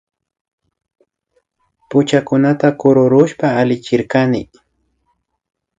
Puchakunata kururushpa allichirkani